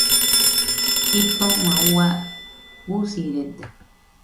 Jitoma ua, usirede.